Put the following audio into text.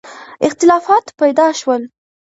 اختلافات پیدا شول.